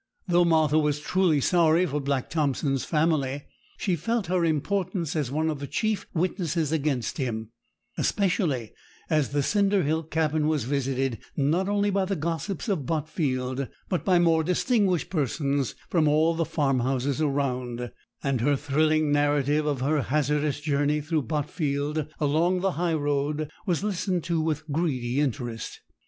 Though Martha was truly sorry for Black Thompson's family, she felt her importance as one of the chief witnesses against him; especially as the cinder hill cabin was visited, not only by the gossips of Botfield, but by more distinguished persons from all the farmhouses around; and her thrilling narrative of her hazardous journey through Botfield along the high road was listened to with greedy interest.